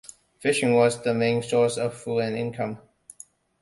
Fishing was the main source of food and income.